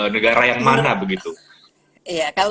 negara yang mana begitu